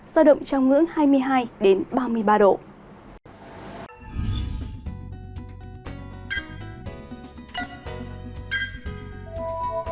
giao động trong ngưỡng hai mươi hai ba mươi ba độ